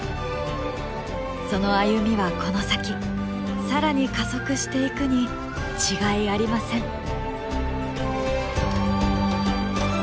その歩みはこの先更に加速していくに違いありません。